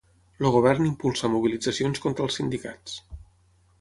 El govern impulsa mobilitzacions contra els sindicats